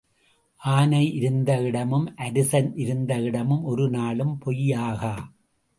ஆனை இருந்த இடமும் அரசன் இருந்த இடமும் ஒரு நாளும் பொய்யாகா.